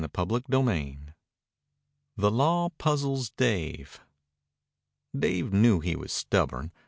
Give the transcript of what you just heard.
CHAPTER XII THE LAW PUZZLES DAVE Dave knew he was stubborn.